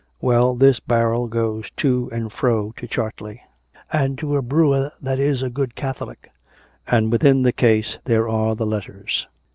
Well, this barrel goes to and fro to Chartley and to a brewer that is a good Catholic; and within the case there are the letters.